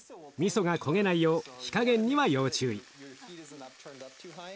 みそが焦げないよう火加減には要注意。